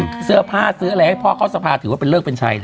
คือเสื้อผ้าซื้ออะไรให้พ่อเข้าสภาถือว่าเป็นเลิกเป็นชัยนะ